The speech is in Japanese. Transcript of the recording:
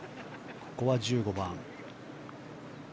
ここは１５番。